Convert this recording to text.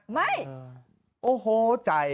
ไม่โอ้โหใจ